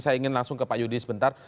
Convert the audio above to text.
saya ingin langsung ke pak yudi sebentar